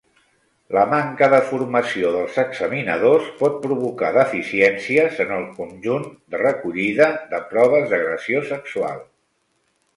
La manca de formació dels examinadors pot provocar deficiències en els conjunt de recollida de proves d'agressió sexual.